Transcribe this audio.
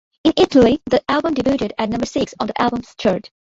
In Italy the album debuted at number six on the albums chart.